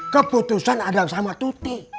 keputusan ada sama tuti